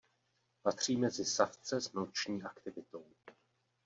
Patří mezi savce s noční aktivitou.